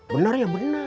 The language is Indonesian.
benar ya benar